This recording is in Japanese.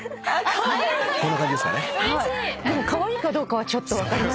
でもカワイイかどうかはちょっと分かりません。